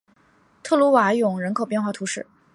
特鲁瓦永人口变化图示